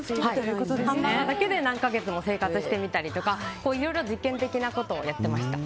ハンバーガーだけで何か月も生活してみたりとかいろいろ実験的なことをやっていました。